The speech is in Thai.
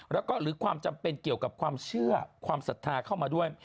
แล้วก็หรือความจำเป็นเกี่ยวกับความเชื่อความศรัทธาเข้ามาด้วย